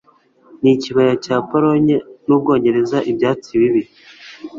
n'ikibaya cya polonye, n'ubwongereza ibyatsi bibi